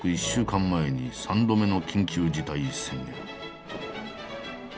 １週間前に３度目の緊急事態宣言。